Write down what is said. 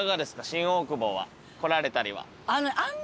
新大久保は来られたりは？